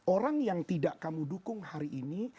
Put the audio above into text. orang yang tidak kamu dukung hari ini